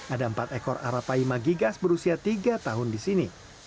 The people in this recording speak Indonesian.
ada empat ekor arapaima gigas berusia tiga tahun di sini